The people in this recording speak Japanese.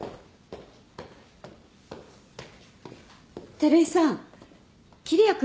照井さん桐矢君